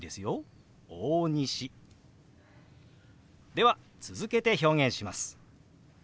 では続けて表現します。